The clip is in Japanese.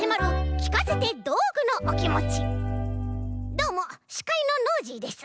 どうもしかいのノージーです。